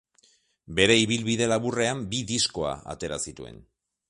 Bere ibilbide laburrean bi diskoa atera zituen.